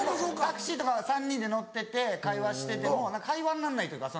タクシーとか３人で乗ってて会話してても会話になんないというか。